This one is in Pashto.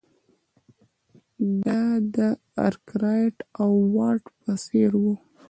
دا د ارکرایټ او واټ په څېر وو.